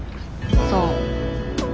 そう。